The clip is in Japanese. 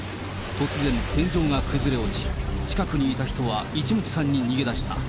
突然、天井が崩れ落ち、近くにいた人は一目散に逃げだした。